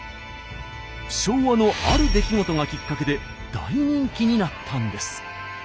昭和のある出来事がきっかけで大人気になったんです。